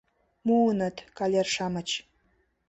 — Муыныт, калер-шамыч...